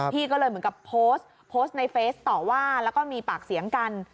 พี่ก็เลยเหมือนกับโพสต์โพสต์ในเฟสต่อว่าแล้วก็มีปากเสียงกัน